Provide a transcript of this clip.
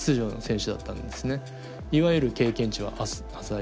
いわゆる経験値は浅い。